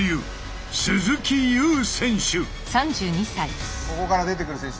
まずはここから出てくる選手